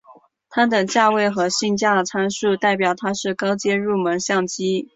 它的价位和性能参数代表它是高阶入门相机。